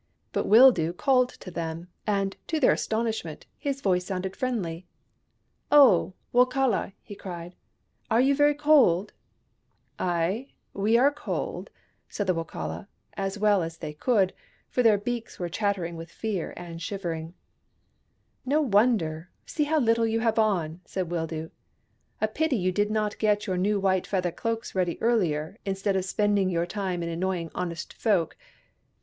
But Wildoo called to them, and, to their astonish ment, his voice sounded friendly. "Oh, Wokala !" he cried. " Are you very cold ?"" Ay, we are cold," said the Wokala, as well as they could, for their beaks were chattering with fear and shivering. THE BURNING OF THE CROWS 201 " No wonder, seeing how little you have on," said Wildoo. " A pity you did not get your new white feather cloaks ready earlier, instead of spend ing your time in annoying honest folk.